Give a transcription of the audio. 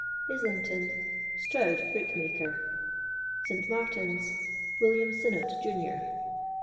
Islington Stroud, Brickmaker. St. Martin's. Wm. Sinnott, Junior.